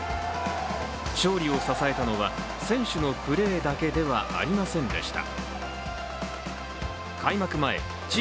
勝利を支えたのは、選手のプレーだけではありませんでした。